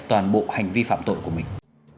toàn bộ hành vi phạm tội của mình